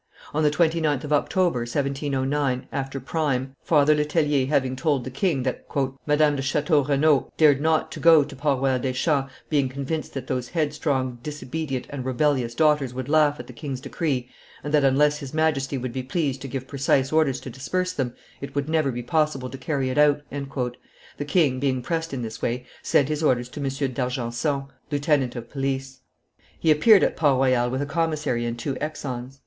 On the 29th of October, 1709, after prime, Father Letellier having told the king that Madame de Chateau Renaud dared not to go to Port Royal des Champs, being convinced that those headstrong, disobedient, and rebellious daughters would laugh at the king's decree, and that, unless his Majesty would be pleased to give precise orders to disperse them, it would never be possible to carry it out, the king, being pressed in this way, sent his orders to M. d'Argenson, lieutenant of police." [Illustration: Reading the Decree 581] He appeared at Port Royal with a commissary and two exons.